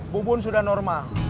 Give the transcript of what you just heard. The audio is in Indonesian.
pupun sudah normal